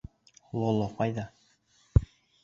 — Лоло ҡайҙа?